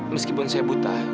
meskipun saya buta